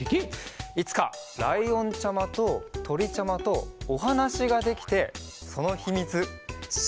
いつかライオンちゃまととりちゃまとおはなしができてそのひみつしれたらいいね。